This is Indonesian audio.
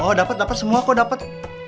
oh dapat dapat semua kok dapat